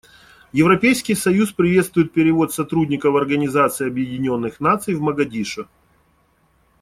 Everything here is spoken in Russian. Европейский союз приветствует перевод сотрудников Организации Объединенных Наций в Могадишо.